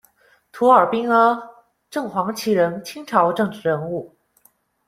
图尔兵阿，正黄旗人，清朝政治人物。